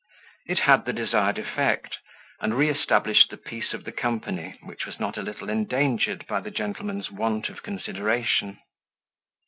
It had the desired effect, and re established the peace of the company, which was not a little endangered by the gentleman's want of consideration.